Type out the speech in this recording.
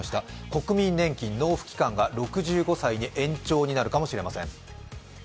国民年金納付期間が６５歳に延長になるかもしれません。